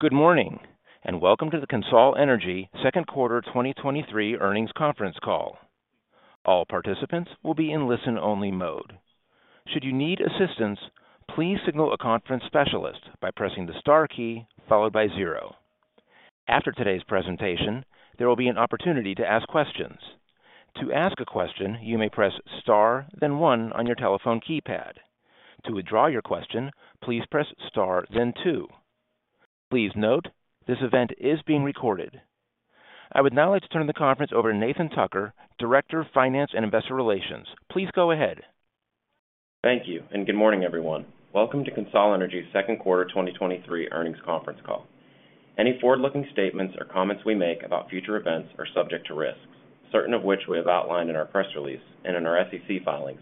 Good morning, welcome to the CONSOL Energy second quarter 2023 earnings conference call. All participants will be in listen-only mode. Should you need assistance, please signal a conference specialist by pressing the star key followed by zero. After today's presentation, there will be an opportunity to ask questions. To ask a question, you may press star, then one on your telephone keypad. To withdraw your question, please press star then two. Please note, this event is being recorded. I would now like to turn the conference over to Nathan Tucker, Director of Finance and Investor Relations. Please go ahead. Thank you. Good morning, everyone. Welcome to CONSOL Energy's second quarter 2023 earnings conference call. Any forward-looking statements or comments we make about future events are subject to risks, certain of which we have outlined in our press release and in our SEC filings,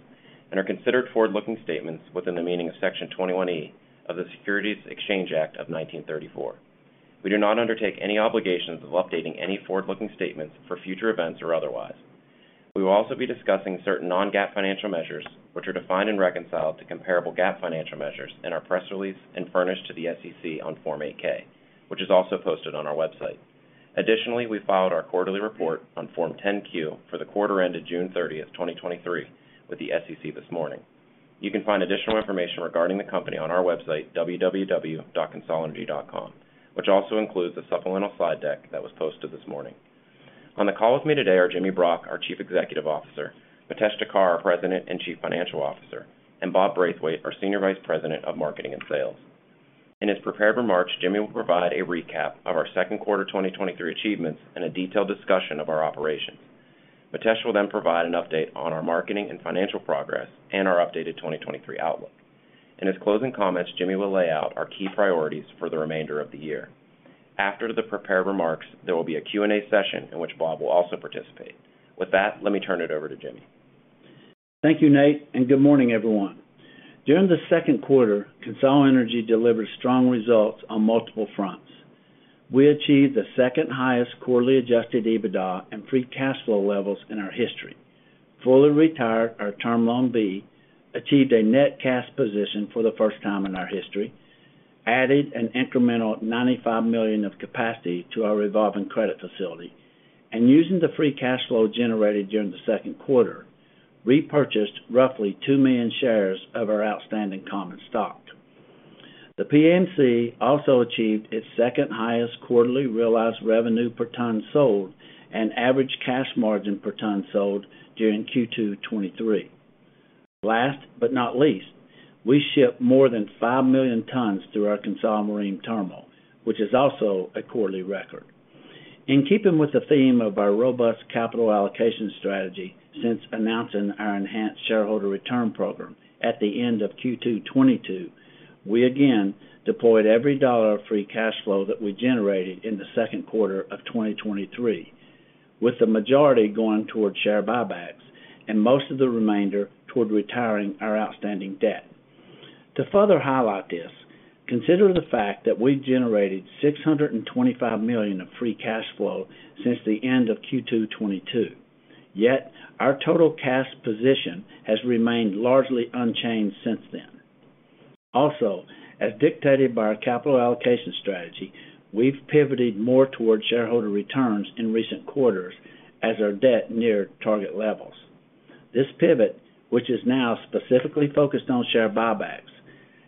and are considered forward-looking statements within the meaning of Section 21E of the Securities Exchange Act of 1934. We do not undertake any obligations of updating any forward-looking statements for future events or otherwise. We will also be discussing certain Non-GAAP financial measures, which are defined and reconciled to comparable GAAP financial measures in our press release and furnished to the SEC on Form 8-K, which is also posted on our website. Additionally, we filed our quarterly report on Form 10-Q for the quarter ended June 30, 2023, with the SEC this morning. You can find additional information regarding the company on our website, www.consolenergy.com, which also includes a supplemental slide deck that was posted this morning. On the call with me today are Jimmy Brock, our Chief Executive Officer, Mitesh Thakkar, our President and Chief Financial Officer, and Bob Braithwaite, our Senior Vice President of Marketing and Sales. In his prepared remarks, Jimmy will provide a recap of our second quarter 2023 achievements and a detailed discussion of our operations. Mitesh will then provide an update on our marketing and financial progress and our updated 2023 outlook. In his closing comments, Jimmy will lay out our key priorities for the remainder of the year. After the prepared remarks, there will be a Q&A session in which Bob will also participate. With that, let me turn it over to Jimmy. Thank you, Nate. Good morning, everyone. During the second quarter, CONSOL Energy delivered strong results on multiple fronts. We achieved the second highest quarterly Adjusted EBITDA and Free Cash Flow levels in our history, fully retired our Term Loan B, achieved a Net Cash Position for the first time in our history, added an incremental $95 million of capacity to our Revolving Credit Facility, and using the Free Cash Flow generated during the second quarter, repurchased roughly 2 million shares of our outstanding common stock. The PAMC also achieved its second highest quarterly realized revenue per ton sold and average cash margin per ton sold during Q2 2023. Last not least, we shipped more than 5 million tons through our CONSOL Marine Terminal, which is also a quarterly record. In keeping with the theme of our robust capital allocation strategy since announcing our enhanced shareholder return program at the end of Q2 2022, we again deployed every dollar of free cash flow that we generated in the second quarter of 2023, with the majority going towards share buybacks and most of the remainder toward retiring our outstanding debt. To further highlight this, consider the fact that we've generated $625 million of free cash flow since the end of Q2 2022, yet our total cash position has remained largely unchanged since then. As dictated by our capital allocation strategy, we've pivoted more towards shareholder returns in recent quarters as our debt neared target levels. This pivot, which is now specifically focused on share buybacks,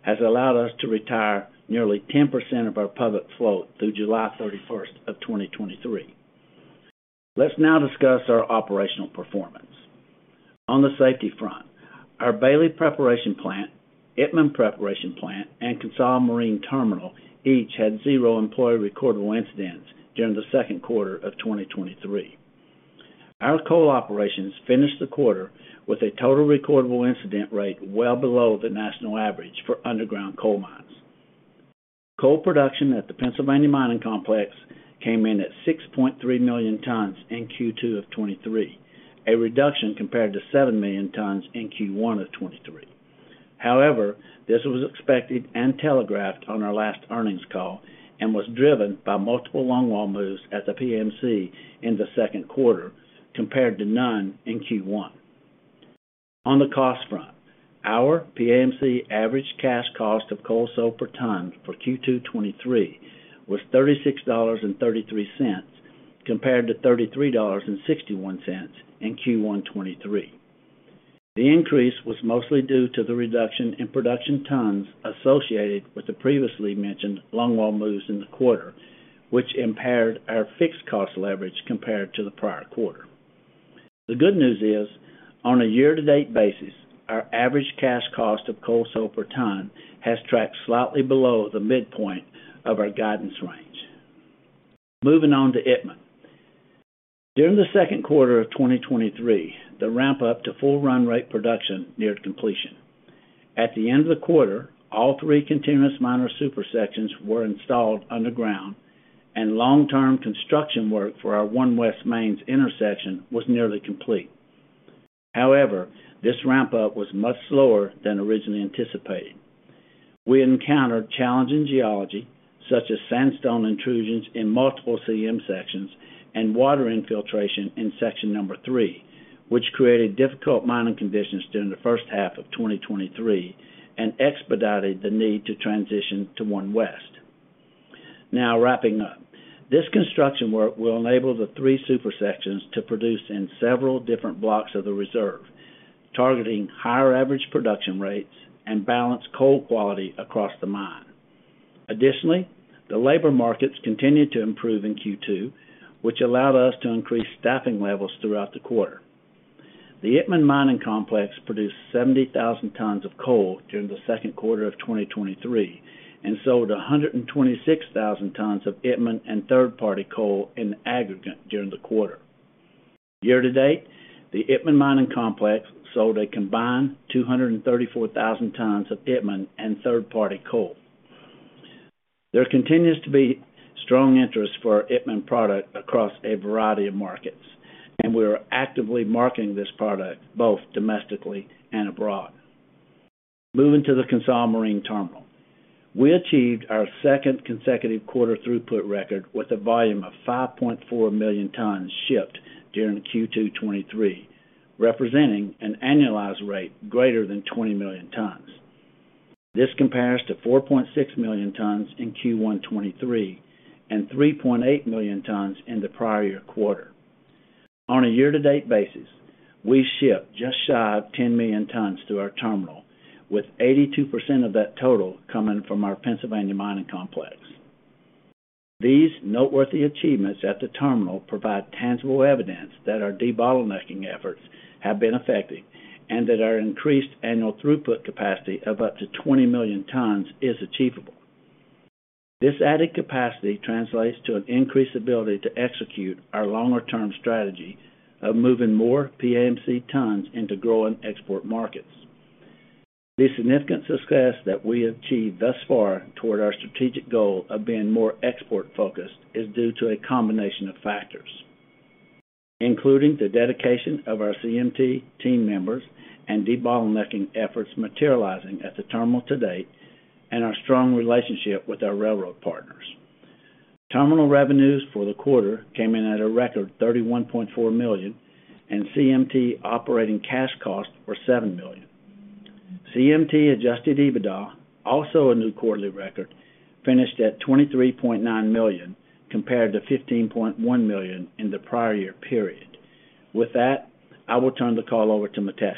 has allowed us to retire nearly 10% of our public float through July 31st of 2023. Let's now discuss our operational performance. On the safety front, our Bailey Preparation Plant, Itmann Preparation Plant, and CONSOL Marine Terminal each had zero employee recordable incidents during the second quarter of 2023. Our coal operations finished the quarter with a total recordable incident rate well below the national average for underground coal mines. Coal production at the Pennsylvania Mining Complex came in at 6.3 million tons in Q2 of 2023, a reduction compared to 7 million tons in Q1 of 2023. However, this was expected and telegraphed on our last earnings call and was driven by multiple longwall moves at the PMC in the second quarter, compared to none in Q1. On the cost front, our PAMC average cash cost of coal sold per ton for Q2 2023 was $36.33, compared to $33.61 in Q1 2023. The increase was mostly due to the reduction in production tons associated with the previously mentioned longwall moves in the quarter, which impaired our fixed cost leverage compared to the prior quarter. The good news is, on a year-to-date basis, our average cash cost of coal sold per ton has tracked slightly below the midpoint of our guidance range. Moving on to Itmann. During the second quarter of 2023, the ramp-up to full run rate production neared completion. At the end of the quarter, all 3 continuous miner super sections were installed underground, and long-term construction work for our One West Mains intersection was nearly complete. This ramp-up was much slower than originally anticipated. We encountered challenging geology, such as sandstone intrusions in multiple CM sections and water infiltration in section 3, which created difficult mining conditions during the first half of 2023, and expedited the need to transition to One West. Wrapping up. This construction work will enable the three super sections to produce in several different blocks of the reserve, targeting higher average production rates and balanced coal quality across the mine. Additionally, the labor markets continued to improve in Q2, which allowed us to increase staffing levels throughout the quarter. The Itmann Mining Complex produced 70,000 tons of coal during the second quarter of 2023, and sold 126,000 tons of Itmann and third-party coal in aggregate during the quarter. Year-to-date, the Itmann Mining Complex sold a combined 234,000 tons of Itmann and third-party coal. There continues to be strong interest for Itmann product across a variety of markets, and we are actively marketing this product both domestically and abroad. Moving to the CONSOL Marine Terminal. We achieved our second consecutive quarter throughput record with a volume of 5.4 million tons shipped during Q2 2023, representing an annualized rate greater than 20 million tons. This compares to 4.6 million tons in Q1 2023, and 3.8 million tons in the prior year quarter. On a year-to-date basis, we shipped just shy of 10 million tons through our terminal, with 82% of that total coming from our Pennsylvania Mining Complex. These noteworthy achievements at the terminal provide tangible evidence that our debottlenecking efforts have been effective, and that our increased annual throughput capacity of up to 20 million tons is achievable. This added capacity translates to an increased ability to execute our longer-term strategy of moving more PAMC tons into growing export markets. The significant success that we have achieved thus far toward our strategic goal of being more export-focused is due to a combination of factors, including the dedication of our CMT team members and debottlenecking efforts materializing at the terminal to date, and our strong relationship with our railroad partners. Terminal revenues for the quarter came in at a record $31.4 million, and CMT operating cash costs were $7 million. CMT Adjusted EBITDA, also a new quarterly record, finished at $23.9 million, compared to $15.1 million in the prior year period. With that, I will turn the call over to Mitesh.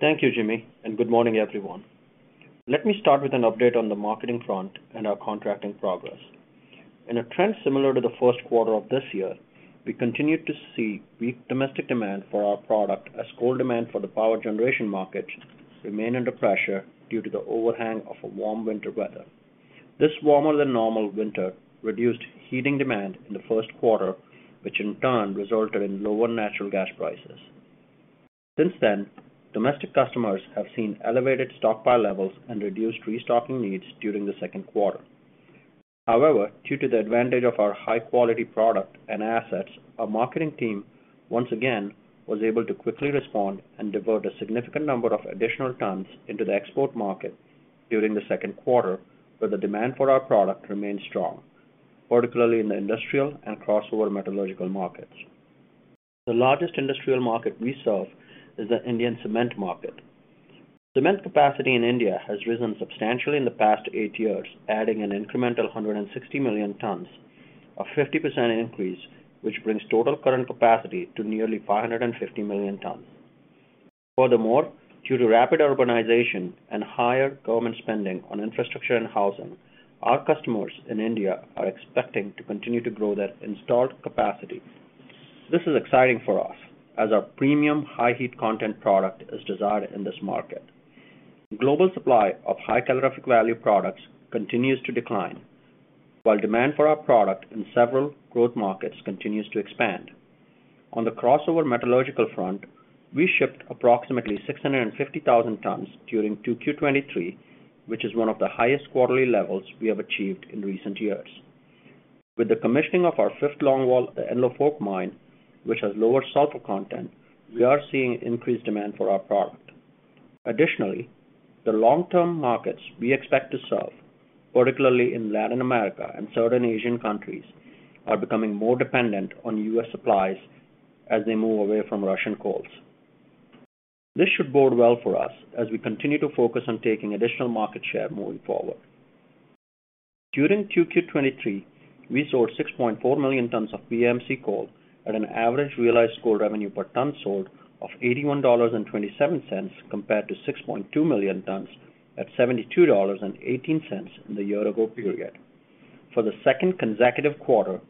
Thank you, Jimmy, and good morning, everyone. Let me start with an update on the marketing front and our contracting progress. In a trend similar to the first quarter of this year, we continued to see weak domestic demand for our product as coal demand for the power generation market remained under pressure due to the overhang of a warm winter weather. This warmer than normal winter reduced heating demand in the first quarter, which in turn resulted in lower natural gas prices. Since then, domestic customers have seen elevated stockpile levels and reduced restocking needs during the second quarter. Due to the advantage of our high-quality product and assets, our marketing team once again was able to quickly respond and divert a significant number of additional tons into the export market during the second quarter, where the demand for our product remained strong, particularly in the industrial and crossover metallurgical markets. The largest industrial market we serve is the Indian cement market. Cement capacity in India has risen substantially in the past eight years, adding an incremental 160 million tons, a 50% increase, which brings total current capacity to nearly 550 million tons. Due to rapid urbanization and higher government spending on infrastructure and housing, our customers in India are expecting to continue to grow their installed capacity. This is exciting for us, as our premium high heat content product is desired in this market. Global supply of high calorific value products continues to decline, while demand for our product in several growth markets continues to expand. On the crossover metallurgical front, we shipped approximately 650,000 tons during 2Q23, which is one of the highest quarterly levels we have achieved in recent years. With the commissioning of our fifth longwall at the Enlow Fork Mine, which has lower sulfur content, we are seeing increased demand for our product. Additionally, the long-term markets we expect to serve, particularly in Latin America and certain Asian countries, are becoming more dependent on U.S. supplies as they move away from Russian coals. This should bode well for us as we continue to focus on taking additional market share moving forward. During 2Q23, we sold 6.4 million tons of PAMC coal at an average realized coal revenue per ton sold of $81.27, compared to 6.2 million tons at $72.18 in the year ago period. For the 2nd consecutive quarter,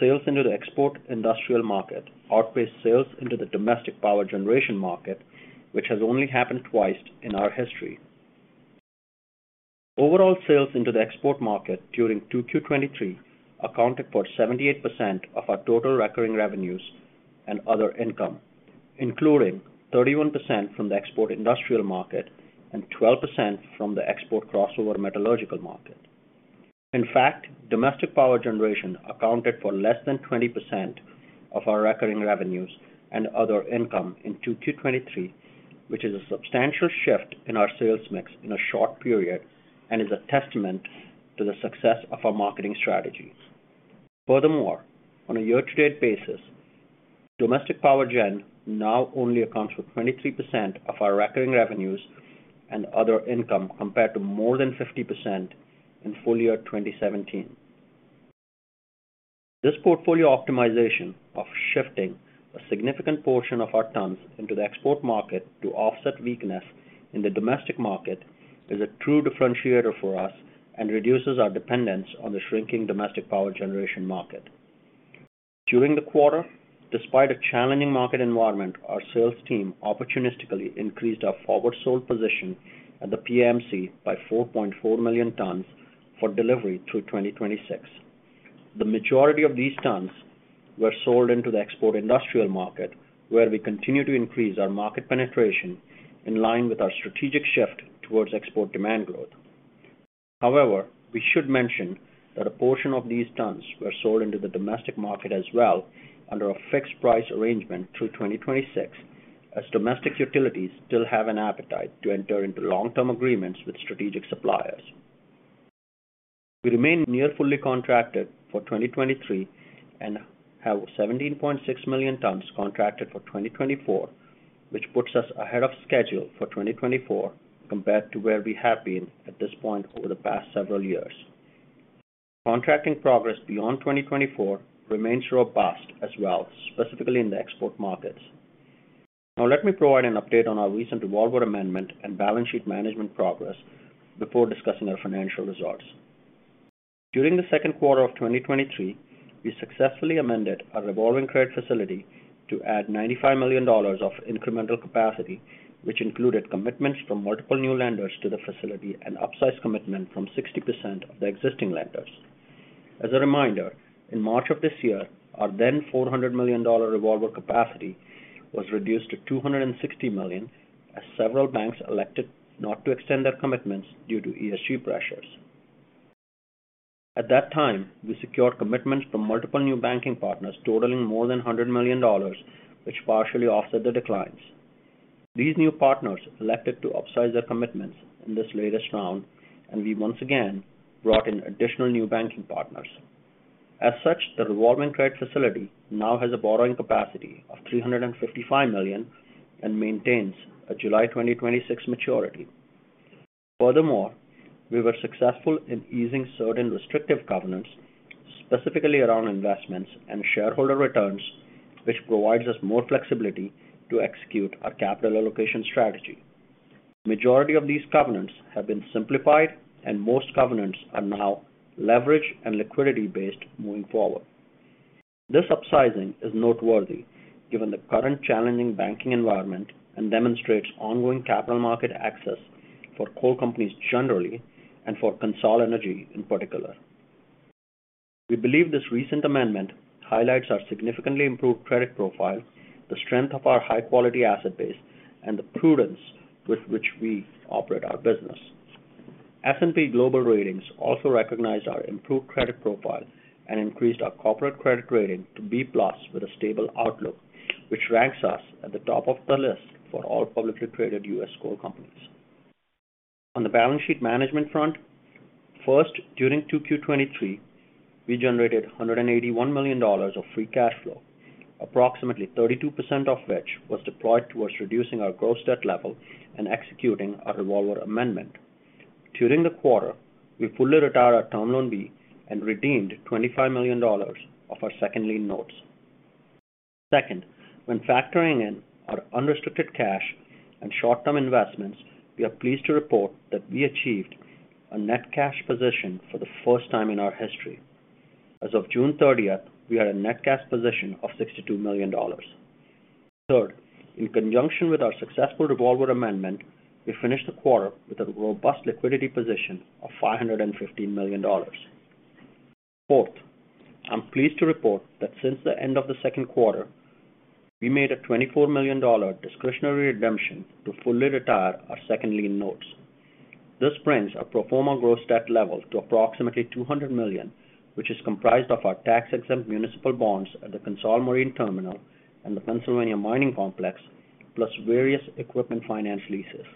sales into the export industrial market outpaced sales into the domestic power generation market, which has only happened 2 times in our history. Overall sales into the export market during 2Q23 accounted for 78% of our total recurring revenues and other income, including 31% from the export industrial market and 12% from the export crossover metallurgical market. In fact, domestic power generation accounted for less than 20% of our recurring revenues and other income in 2Q23, which is a substantial shift in our sales mix in a short period and is a testament to the success of our marketing strategies. Furthermore, on a year-to-date basis, domestic power gen now only accounts for 23% of our recurring revenues and other income, compared to more than 50% in full year 2017. This portfolio optimization of shifting a significant portion of our tons into the export market to offset weakness in the domestic market, is a true differentiator for us and reduces our dependence on the shrinking domestic power generation market. During the quarter, despite a challenging market environment, our sales team opportunistically increased our forward sold position at the PAMC by 4.4 million tons for delivery through 2026. The majority of these tons were sold into the export industrial market, where we continue to increase our market penetration in line with our strategic shift towards export demand growth. We should mention that a portion of these tons were sold into the domestic market as well, under a fixed price arrangement through 2026, as domestic utilities still have an appetite to enter into long-term agreements with strategic suppliers. We remain near fully contracted for 2023, and have 17.6 million tons contracted for 2024, which puts us ahead of schedule for 2024 compared to where we have been at this point over the past several years. Contracting progress beyond 2024 remains robust as well, specifically in the export markets. Let me provide an update on our recent revolver amendment and balance sheet management progress before discussing our financial results. During the second quarter of 2023, we successfully amended our revolving credit facility to add $95 million of incremental capacity, which included commitments from multiple new lenders to the facility and upsized commitment from 60% of the existing lenders. As a reminder, in March of this year, our then $400 million revolver capacity was reduced to $260 million, as several banks elected not to extend their commitments due to ESG pressures. At that time, we secured commitments from multiple new banking partners totaling more than $100 million, which partially offset the declines. These new partners elected to upsize their commitments in this latest round, and we once again brought in additional new banking partners. As such, the revolving credit facility now has a borrowing capacity of $355 million and maintains a July 2026 maturity. Furthermore, we were successful in easing certain restrictive covenants, specifically around investments and shareholder returns, which provides us more flexibility to execute our capital allocation strategy. Majority of these covenants have been simplified and most covenants are now leverage and liquidity-based moving forward. This upsizing is noteworthy given the current challenging banking environment and demonstrates ongoing capital market access for coal companies generally, and for CONSOL Energy in particular. We believe this recent amendment highlights our significantly improved credit profile, the strength of our high-quality asset base, and the prudence with which we operate our business. S&P Global Ratings also recognized our improved credit profile and increased our corporate credit rating to B+, with a stable outlook, which ranks us at the top of the list for all publicly traded U.S. coal companies. On the balance sheet management front, first, during 2Q 2023, we generated $181 million of free cash flow. Approximately 32% of which was deployed towards reducing our gross debt level and executing our revolver amendment. During the quarter, we fully retired our Term Loan B and redeemed $25 million of our Second Lien Notes. Second, when factoring in our unrestricted cash and short-term investments, we are pleased to report that we achieved a net cash position for the first time in our history. As of June 30th, we are a net cash position of $62 million. Third, in conjunction with our successful revolver amendment, we finished the quarter with a robust liquidity position of $515 million. Fourth, I'm pleased to report that since the end of the second quarter, we made a $24 million discretionary redemption to fully retire our Second Lien Notes. This brings our pro forma gross debt level to approximately $200 million, which is comprised of our tax-exempt municipal bonds at the CONSOL Marine Terminal and the Pennsylvania Mining Complex, plus various equipment finance leases.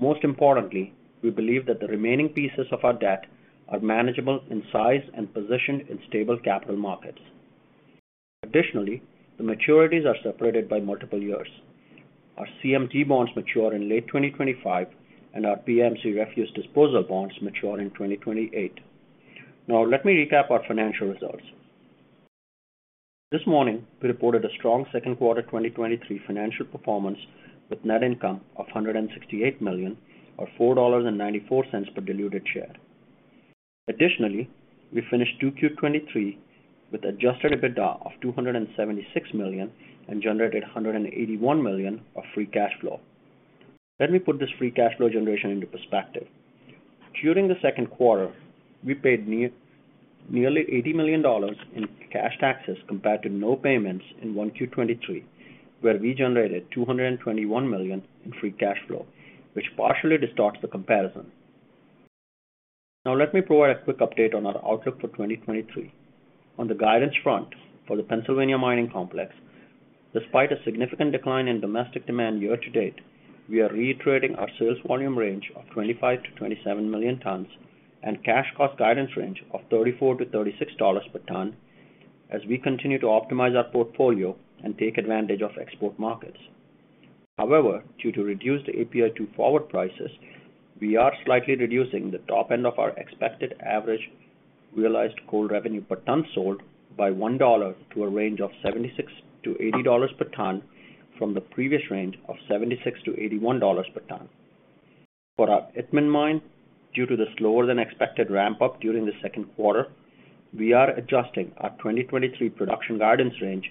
Most importantly, we believe that the remaining pieces of our debt are manageable in size and position in stable capital markets. The maturities are separated by multiple years. Our CMT bonds mature in late 2025, and our PAMC refuse disposal bonds mature in 2028. Let me recap our financial results. This morning, we reported a strong second quarter 2023 financial performance, with net income of $168 million, or $4.94 per diluted share. We finished 2Q 2023 with Adjusted EBITDA of $276 million and generated $181 million of free cash flow. Let me put this free cash flow generation into perspective. During the second quarter, we paid nearly $80 million in cash taxes compared to no payments in 1Q 2023, where we generated $221 million in free cash flow, which partially distorts the comparison. Let me provide a quick update on our outlook for 2023. On the guidance front, for the Pennsylvania Mining Complex, despite a significant decline in domestic demand year-to-date, we are reiterating our sales volume range of 25 million tons-27 million tons and cash cost guidance range of $34-$36 per ton as we continue to optimize our portfolio and take advantage of export markets. Due to reduced API 2 forward prices, we are slightly reducing the top end of our expected average realized coal revenue per ton sold by $1 to a range of $76-$80 per ton, from the previous range of $76-$81 per ton. For our Itmann Mine, due to the slower than expected ramp-up during the second quarter, we are adjusting our 2023 production guidance range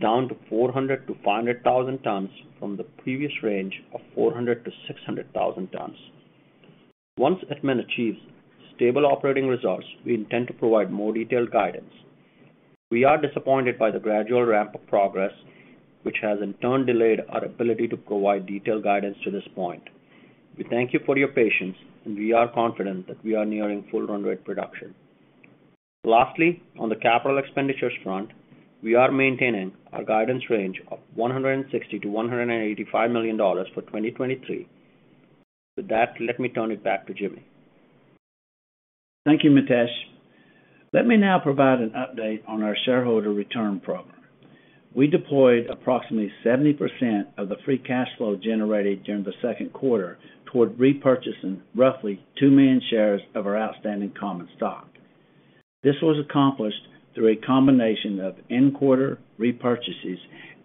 down to 400,000 tons-500,000 tons from the previous range of 400,000 tons-600,000 tons. Once Itmann achieves stable operating results, we intend to provide more detailed guidance. We are disappointed by the gradual ramp of progress, which has in turn delayed our ability to provide detailed guidance to this point. We thank you for your patience, and we are confident that we are nearing full run rate production. Lastly, on the capital expenditures front, we are maintaining our guidance range of $160 million-$185 million for 2023. With that, let me turn it back to Jimmy. Thank you, Mitesh. Let me now provide an update on our shareholder return program. We deployed approximately 70% of the free cash flow generated during the second quarter toward repurchasing roughly 2 million shares of our outstanding common stock. This was accomplished through a combination of in-quarter repurchases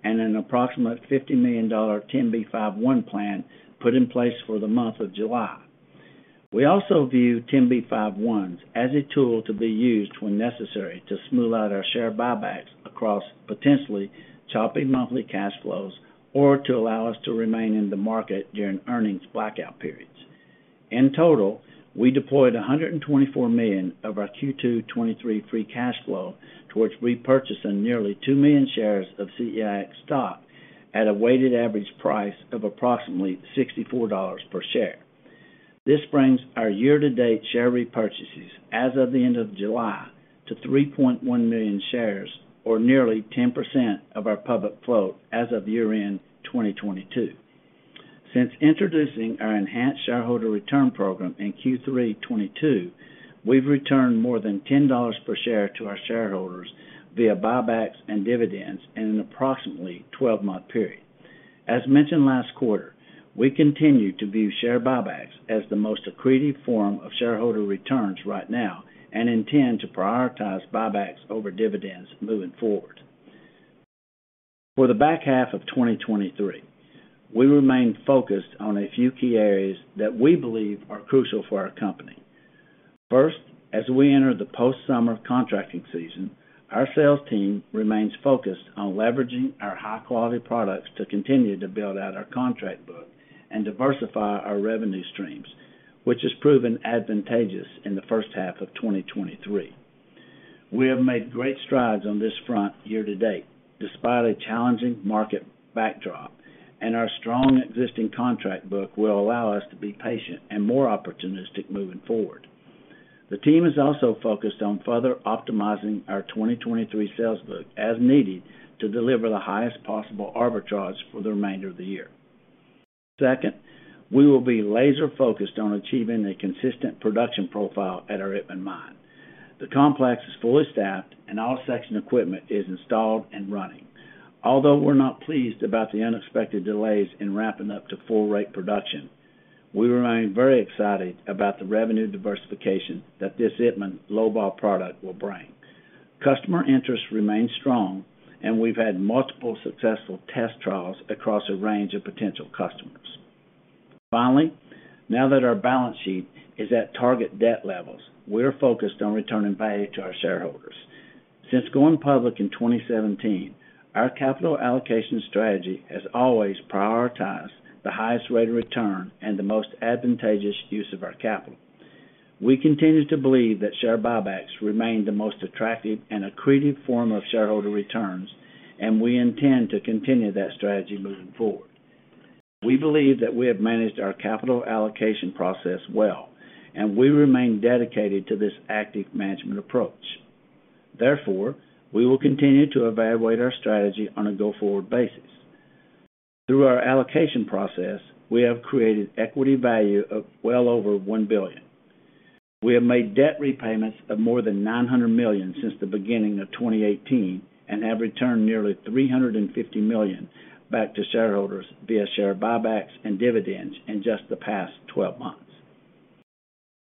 and an approximate $50 million 10b5-1 plan put in place for the month of July. We also view 10b5-1s as a tool to be used when necessary to smooth out our share buybacks across potentially chopping monthly cash flows, or to allow us to remain in the market during earnings blackout periods. In total, we deployed $124 million of our Q2 2023 free cash flow towards repurchasing nearly 2 million shares of CEIX stock at a weighted average price of approximately $64 per share. This brings our year-to-date share repurchases as of the end of July to 3.1 million shares, or nearly 10% of our public float as of year-end 2022. Since introducing our enhanced shareholder return program in Q3 2022, we've returned more than $10 per share to our shareholders via buybacks and dividends in an approximately 12-month period. As mentioned last quarter, we continue to view share buybacks as the most accretive form of shareholder returns right now and intend to prioritize buybacks over dividends moving forward. For the back half of 2023, we remain focused on a few key areas that we believe are crucial for our company. First, as we enter the post-summer contracting season, our sales team remains focused on leveraging our high-quality products to continue to build out our contract book and diversify our revenue streams, which has proven advantageous in the first half of 2023. We have made great strides on this front year to date, despite a challenging market backdrop. Our strong existing contract book will allow us to be patient and more opportunistic moving forward. The team is also focused on further optimizing our 2023 sales book as needed, to deliver the highest possible arbitrage for the remainder of the year. Second, we will be laser-focused on achieving a consistent production profile at our Itmann Mine. The complex is fully staffed, and all section equipment is installed and running. Although we're not pleased about the unexpected delays in ramping up to full rate production, we remain very excited about the revenue diversification that this Itmann low-vol product will bring. Customer interest remains strong, we've had multiple successful test trials across a range of potential customers. Finally, now that our balance sheet is at target debt levels, we are focused on returning value to our shareholders. Since going public in 2017, our capital allocation strategy has always prioritized the highest rate of return and the most advantageous use of our capital. We continue to believe that share buybacks remain the most attractive and accretive form of shareholder returns, and we intend to continue that strategy moving forward. We believe that we have managed our capital allocation process well, and we remain dedicated to this active management approach. We will continue to evaluate our strategy on a go-forward basis. Through our allocation process, we have created equity value of well over $1 billion. We have made debt repayments of more than $900 million since the beginning of 2018 and have returned nearly $350 million back to shareholders via share buybacks and dividends in just the past 12 months.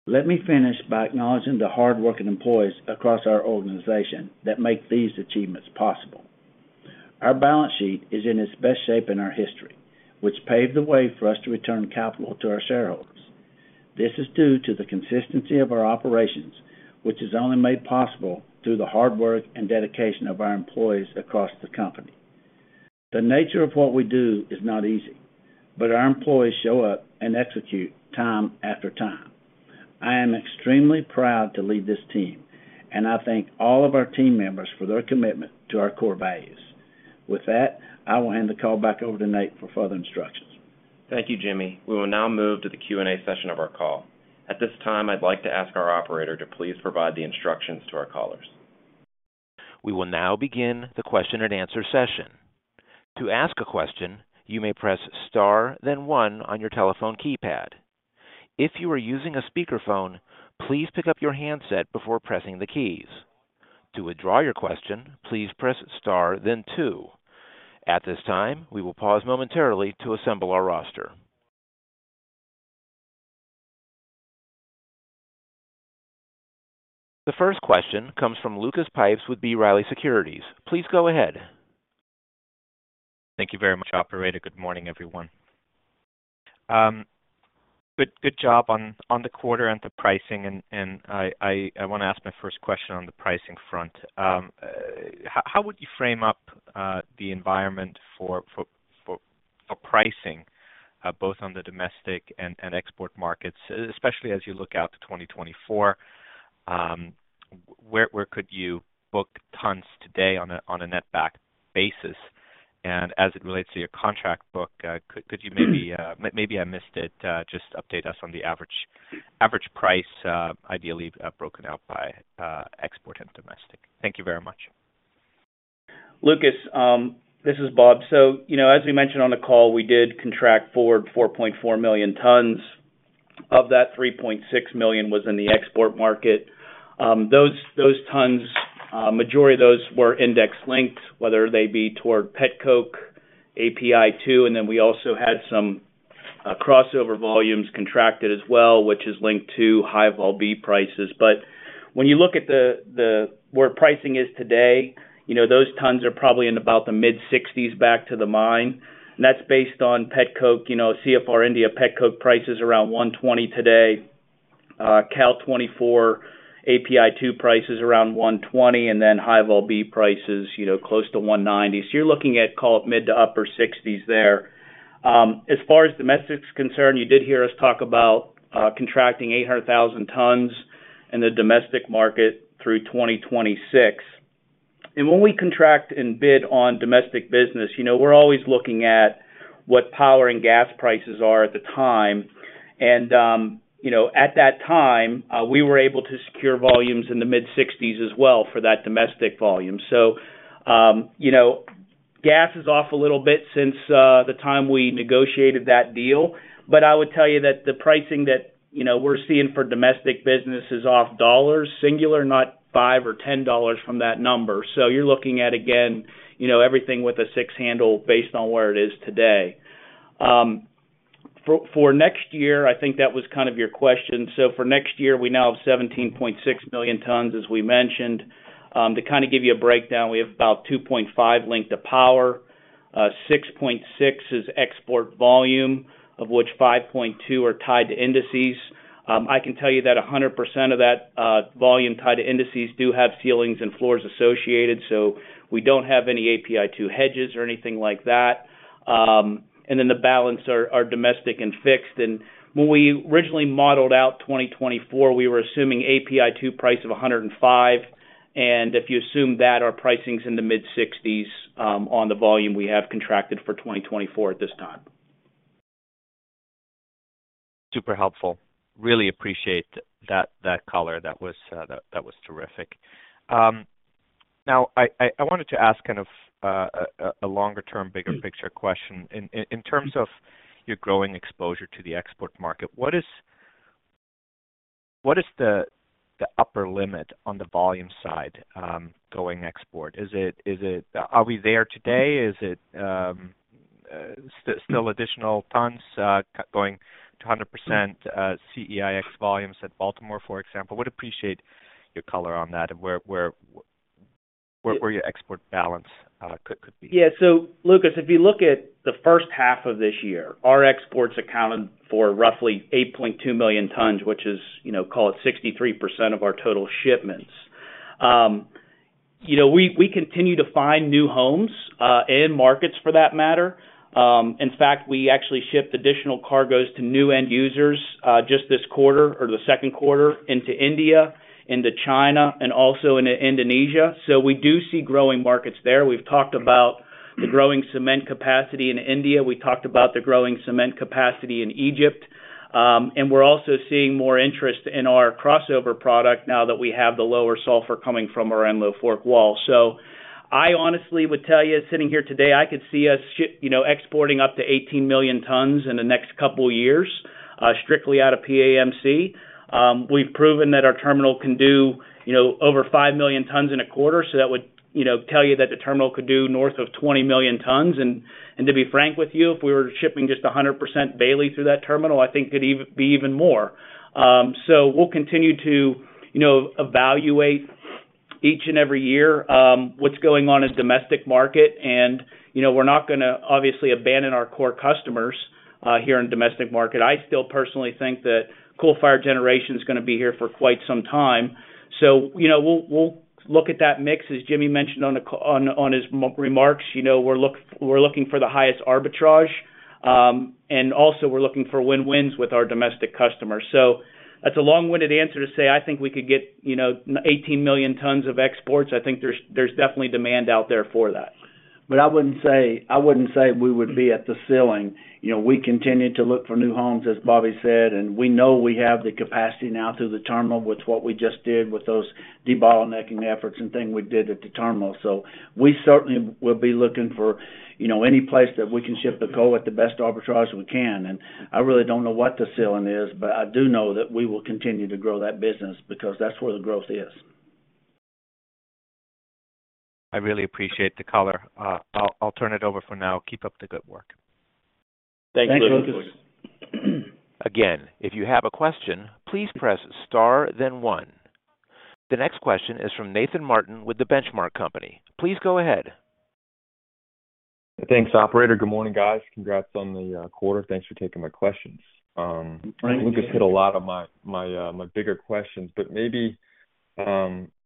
Let me finish by acknowledging the hardworking employees across our organization that make these achievements possible. Our balance sheet is in its best shape in our history, which paved the way for us to return capital to our shareholders. This is due to the consistency of our operations, which is only made possible through the hard work and dedication of our employees across the company. The nature of what we do is not easy, our employees show up and execute time after time. I am extremely proud to lead this team, and I thank all of our team members for their commitment to our core values. With that, I will hand the call back over to Nate for further instructions. Thank you, Jimmy. We will now move to the Q&A session of our call. At this time, I'd like to ask our operator to please provide the instructions to our callers. We will now begin the question-and-answer session. To ask a question, you may press star, then 1 on your telephone keypad. If you are using a speakerphone, please pick up your handset before pressing the keys. To withdraw your question, please press star then 2. At this time, we will pause momentarily to assemble our roster. The first question comes from Lucas Pipes with B. Riley Securities. Please go ahead. Thank you very much, operator. Good morning, everyone. Good job on the quarter and the pricing, and I want to ask my first question on the pricing front. How would you frame up the environment for pricing, both on the domestic and export markets, especially as you look out to 2024? Where could you book tons today on a netback basis? As it relates to your contract book, could you maybe maybe I missed it, just update us on the average price, ideally broken out by export and domestic. Thank you very much. Lucas, this is Bob. You know, as we mentioned on the call, we did contract forward 4.4 million tons. Of that, 3.6 million was in the export market. Those, those tons, majority of those were index linked, whether they be toward pet coke, API 2, and then we also had some crossover volumes contracted as well, which is linked to High-Vol B prices. When you look at the where pricing is today, you know, those tons are probably in about the mid-$60s back to the mine, and that's based on pet coke. You know, CFR India pet coke price is around $120 today. Cal 2024 API 2 price is around $120, and then High-Vol B price is, you know, close to $190. You're looking at call it mid-to-upper $60s there. As far as domestic is concerned, you did hear us talk about contracting 800,000 tons in the domestic market through 2026. When we contract and bid on domestic business, you know, we're always looking at what power and gas prices are at the time. You know, at that time, we were able to secure volumes in the mid-$60s as well for that domestic volume. You know, gas is off a little bit since the time we negotiated that deal, but I would tell you that the pricing that, you know, we're seeing for domestic business is off dollars singular, not $5 or $10 from that number. You're looking at, again, you know, everything with a 6 handle based on where it is today. For next year, I think that was kind of your question. For next year, we now have 17.6 million tons, as we mentioned. To kind of give you a breakdown, we have about 2.5 linked to power. 6.6 is export volume, of which 5.2 are tied to indices. I can tell you that 100% of that volume tied to indices do have ceilings and floors associated, so we don't have any API 2 hedges or anything like that. Then the balance are domestic and fixed. When we originally modeled out 2024, we were assuming API 2 price of $105, and if you assume that, our pricing is in the mid-$60s, on the volume we have contracted for 2024 at this time. Super helpful. Really appreciate that, that color. That was, that was terrific. Now I, I, I wanted to ask kind of a longer-term, bigger-picture question. In, in, in terms of your growing exposure to the export market, what is... what is the, the upper limit on the volume side, going export? Is it, Are we there today? Is it, still additional tons, going to 100% CEIX volumes at Baltimore, for example? Would appreciate your color on that and where, where, where your export balance, could, could be. Yeah. Lucas, if you look at the first half of this year, our exports accounted for roughly 8.2 million tons, which is, you know, call it 63% of our total shipments. You know, we continue to find new homes and markets for that matter. In fact, we actually shipped additional cargoes to new end users just this quarter or the second quarter into India, into China, and also into Indonesia. We do see growing markets there. We've talked about the growing cement capacity in India, we talked about the growing cement capacity in Egypt, and we're also seeing more interest in our crossover product now that we have the lower sulfur coming from our Enlow Fork wall. I honestly would tell you, sitting here today, I could see us ship, you know, exporting up to 18 million tons in the next couple of years, strictly out of PAMC. We've proven that our terminal can do, you know, over 5 million tons in a quarter, so that would, you know, tell you that the terminal could do north of 20 million tons. And to be frank with you, if we were shipping just 100% Bailey through that terminal, I think it'd be even more. We'll continue to, you know, evaluate each and every year, what's going on in domestic market. You know, we're not gonna obviously abandon our core customers, here in domestic market. I still personally think that coal-fired generation is gonna be here for quite some time. You know, we'll, we'll look at that mix. As Jimmy mentioned on his remarks, you know, we're looking for the highest arbitrage, and also we're looking for win-wins with our domestic customers. That's a long-winded answer to say, I think we could get, you know, 18 million tons of exports. I think there's, there's definitely demand out there for that. I wouldn't say, I wouldn't say we would be at the ceiling. You know, we continue to look for new homes, as Bobby said, and we know we have the capacity now through the terminal with what we just did with those debottlenecking efforts and thing we did at the terminal. We certainly will be looking for, you know, any place that we can ship the coal at the best arbitrage we can. I really don't know what the ceiling is, but I do know that we will continue to grow that business because that's where the growth is. I really appreciate the caller. I'll turn it over for now. Keep up the good work. Thanks, Lucas. If you have a question, please press Star, then 1. The next question is from Nathan Martin with The Benchmark Company. Please go ahead. Thanks, operator. Good morning, guys. Congrats on the quarter. Thanks for taking my questions. Thanks. Lucas hit a lot of my, my, my bigger questions. Maybe,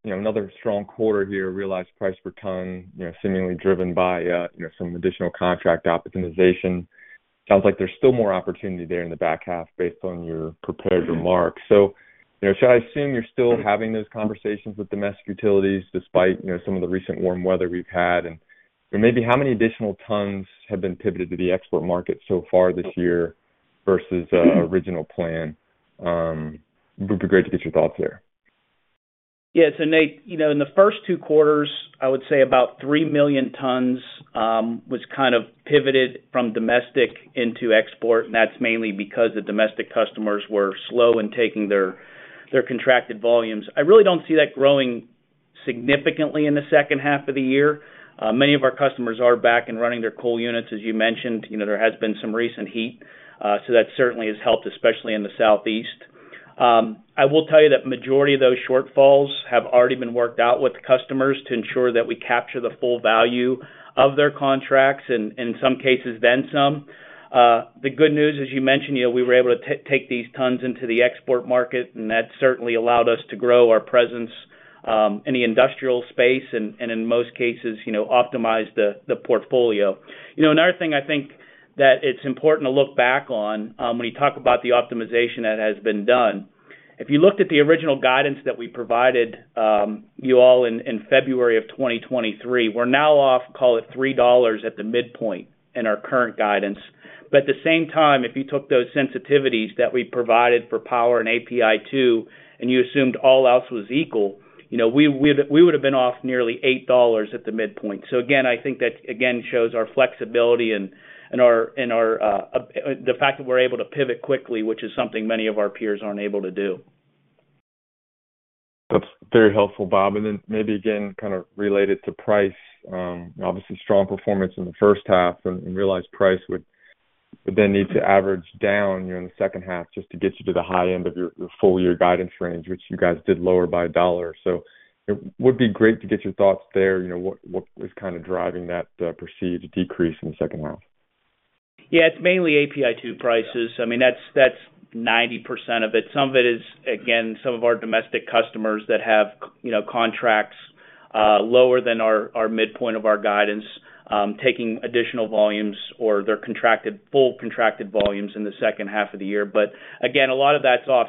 you know, another strong quarter here, realized price per ton, you know, seemingly driven by, you know, some additional contract optimization. Sounds like there's still more opportunity there in the back half based on your prepared remarks. You know, should I assume you're still having those conversations with domestic utilities despite, you know, some of the recent warm weather we've had? Maybe how many additional tons have been pivoted to the export market so far this year versus original plan? It would be great to get your thoughts there. Yes. Nate, you know, in the first two quarters, I would say about 3 million tons was kind of pivoted from domestic into export. That's mainly because the domestic customers were slow in taking their, their contracted volumes. I really don't see that growing significantly in the second half of the year. Many of our customers are back and running their coal units, as you mentioned. You know, there has been some recent heat, so that certainly has helped, especially in the Southeast. I will tell you that majority of those shortfalls have already been worked out with the customers to ensure that we capture the full value of their contracts. In some cases, then some. The good news, as you mentioned, you know, we were able to take these tons into the export market, and that certainly allowed us to grow our presence in the industrial space, and in most cases, you know, optimize the portfolio. You know, another thing I think that it's important to look back on when you talk about the optimization that has been done. If you looked at the original guidance that we provided, you all in February 2023, we're now off, call it $3 at the midpoint in our current guidance. At the same time, if you took those sensitivities that we provided for power and API 2, and you assumed all else was equal, you know, we would've been off nearly $8 at the midpoint. Again, I think that, again, shows our flexibility and, and our, and our, the fact that we're able to pivot quickly, which is something many of our peers aren't able to do. That's very helpful, Bob. Maybe again, kind of related to price, obviously strong performance in the first half and realized price would, would then need to average down, you know, in the second half just to get you to the high end of your, your full year guidance range, which you guys did lower by $1. It would be great to get your thoughts there. You know, what, what was kind of driving that perceived decrease in the second half? Yeah, it's mainly API 2 prices. I mean, that's, that's 90% of it. Some of it is, again, some of our domestic customers that have you know, contracts, lower than our, our midpoint of our guidance, taking additional volumes or their contracted, full contracted volumes in the second half of the year. Again, a lot of that's off.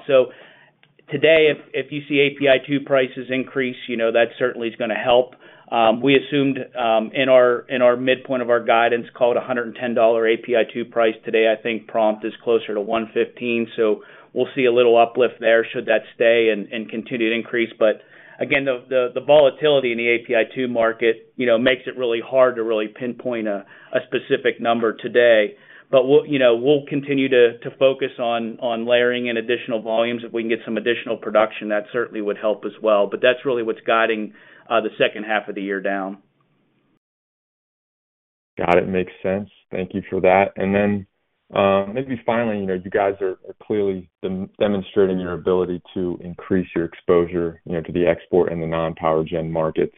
Today, if, if you see API 2 prices increase, you know that certainly is gonna help. We assumed, in our, in our midpoint of our guidance, call it a $110 API 2 price. Today, I think prompt is closer to $115, so we'll see a little uplift there should that stay and, and continue to increase. Again, the, the, the volatility in the API 2 market, you know, makes it really hard to really pinpoint a, a specific number today. We'll, you know, we'll continue to, to focus on, on layering in additional volumes. If we can get some additional production, that certainly would help as well, but that's really what's guiding the second half of the year down. Got it. Makes sense. Thank you for that. Maybe finally, you know, you guys are clearly demonstrating your ability to increase your exposure, you know, to the export and the non-power gen markets.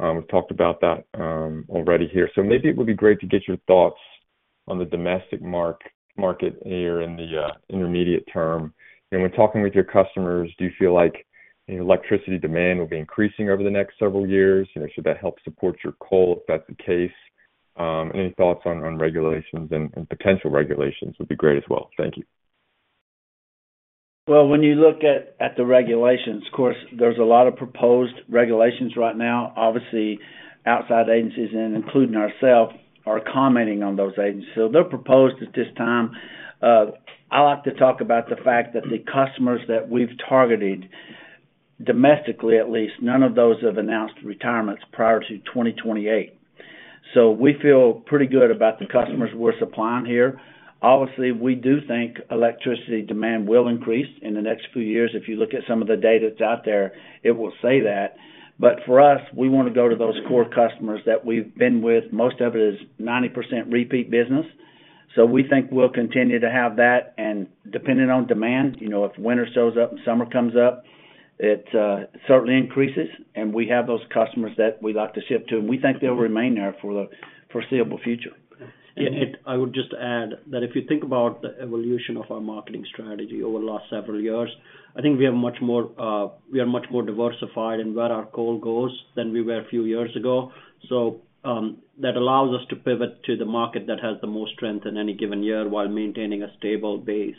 We've talked about that already here. Maybe it would be great to get your thoughts on the domestic market here in the intermediate term. You know, when talking with your customers, do you feel like electricity demand will be increasing over the next several years? You know, should that help support your coal, if that's the case? Any thoughts on regulations and potential regulations would be great as well. Thank you. Well, when you look at, at the regulations, of course, there's a lot of proposed regulations right now. Obviously, outside agencies and including ourselves, are commenting on those agencies, so they're proposed at this time. I like to talk about the fact that the customers that we've targeted, domestically at least, none of those have announced retirements prior to 2028. We feel pretty good about the customers we're supplying here. Obviously, we do think electricity demand will increase in the next few years. If you look at some of the data that's out there, it will say that. For us, we want to go to those core customers that we've been with. Most of it is 90% repeat business, so we think we'll continue to have that. Depending on demand, you know, if winter shows up and summer comes up, it certainly increases, and we have those customers that we like to ship to, and we think they'll remain there for the foreseeable future. Yeah, I would just add that if you think about the evolution of our marketing strategy over the last several years, I think we are much more, we are much more diversified in where our coal goes than we were a few years ago. So, that allows us to pivot to the market that has the most strength in any given year while maintaining a stable base,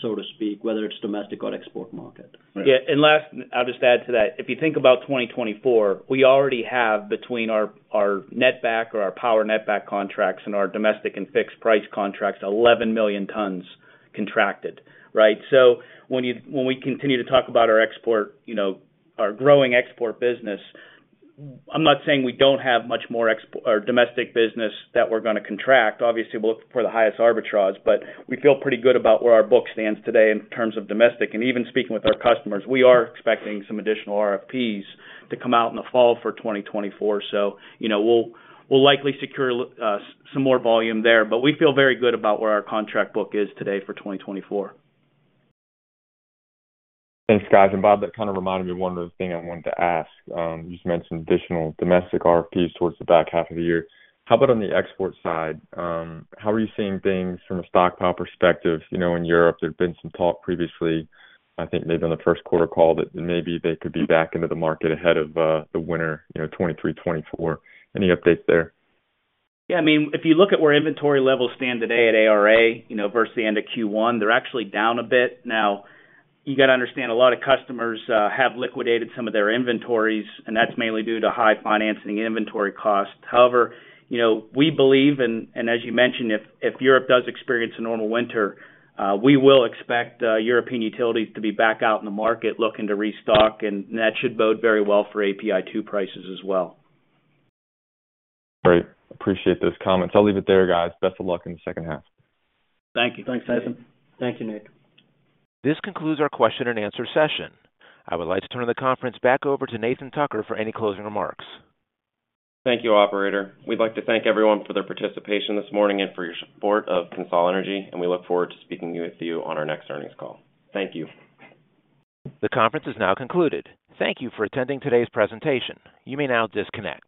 so to speak, whether it's domestic or export market. Yeah, last, I'll just add to that. If you think about 2024, we already have between our netback or our power netback contracts and our domestic and fixed price contracts, 11 million tons contracted, right? When we continue to talk about our export, you know, our growing export business, I'm not saying we don't have much more export or domestic business that we're going to contract. Obviously, we'll look for the highest arbitrage, but we feel pretty good about where our book stands today in terms of domestic. Even speaking with our customers, we are expecting some additional RFPs to come out in the fall for 2024. You know, we'll likely secure some more volume there, but we feel very good about where our contract book is today for 2024. Thanks, guys. Bob, that kind of reminded me of one other thing I wanted to ask. You just mentioned additional domestic RFPs towards the back half of the year. How about on the export side? How are you seeing things from a stockpile perspective? You know, in Europe, there's been some talk previously, I think maybe on the first quarter call, that maybe they could be back into the market ahead of the winter, you know, 2023, 2024. Any updates there? Yeah, I mean, if you look at where inventory levels stand today at ARA, you know, versus the end of Q1, they're actually down a bit. Now, you got to understand, a lot of customers have liquidated some of their inventories, and that's mainly due to high financing inventory costs. However, you know, we believe, and as you mentioned, if Europe does experience a normal winter, we will expect European utilities to be back out in the market looking to restock, and that should bode very well for API 2 prices as well. Great. Appreciate those comments. I'll leave it there, guys. Best of luck in the second half. Thank you. Thanks, Nathan. Thank you, Nick. This concludes our question and answer session. I would like to turn the conference back over to Nathan Tucker for any closing remarks. Thank you, operator. We'd like to thank everyone for their participation this morning and for your support of CONSOL Energy. We look forward to speaking with you on our next earnings call. Thank you. The conference is now concluded. Thank you for attending today's presentation. You may now disconnect.